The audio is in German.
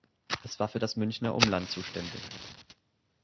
Es war für das Münchner Umland zuständig.